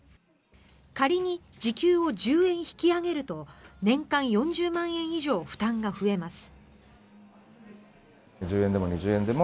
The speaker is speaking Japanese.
仮に時給を１０円引き上げると年間４０万円以上負担が増えます。